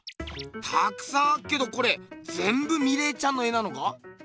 たくさんあっけどこれぜんぶミレーちゃんの絵なのか？